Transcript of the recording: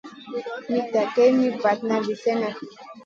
Mitta geyn mi vatna vi slèhna.